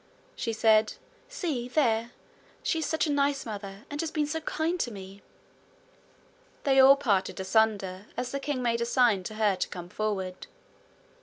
she said. 'See there. She is such a nice mother, and has been so kind to me!' They all parted asunder as the king made a sign to her to come forward.